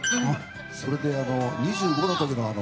それで、２５の時の。